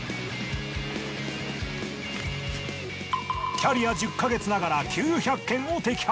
キャリア１０ヵ月ながら９００件を摘発。